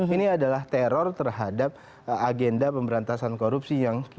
ini adalah teror terhadap agenda pemberantasan korupsi yang